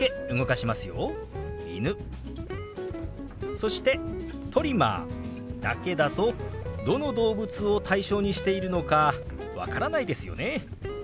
そして「トリマー」だけだとどの動物を対象にしているのか分からないですよね。